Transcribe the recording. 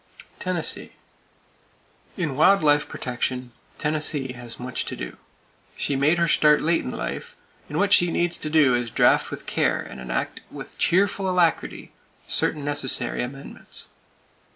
Tennessee: In wild life protection, Tennessee has much to do. She made her start late in life, and what she needs to do is to draft with care and enact with cheerful alacrity certain necessary amendments.